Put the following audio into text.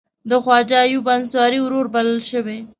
د خواجه ایوب انصاري ورور بلل شوی.